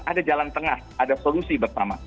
ada jalan tengah ada solusi bersama